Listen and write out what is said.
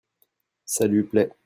ça lui plait.